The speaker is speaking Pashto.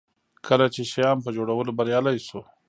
کله چې شیام په جوړولو بریالی شو.